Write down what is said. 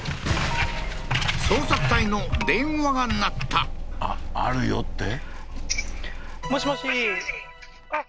捜索隊の電話が鳴ったあっあるよって？